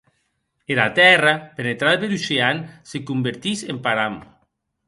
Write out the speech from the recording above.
Era tèrra penetrada per ocean, se convertís en param.